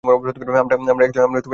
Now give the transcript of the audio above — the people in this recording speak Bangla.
আমরা এক দুই তিন বলার সাথে যাব।